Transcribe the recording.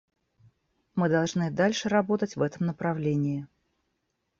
Мы должны и дальше работать в этом направлении.